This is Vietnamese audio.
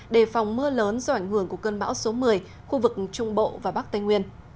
đề phòng mưa lớn do ảnh hưởng của cơn bão số một mươi khu vực trung bộ và bắc tây nguyên